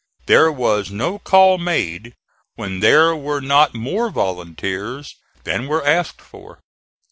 There was no call made when there were not more volunteers than were asked for.